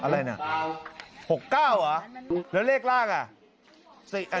แล้วเลขล่างอ่ะ